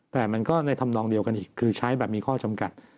แต่มันก็ในธรรมนองเดียวกันอีกคือใช้แบบมีข้อจำกัด